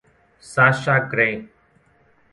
Sasha Grey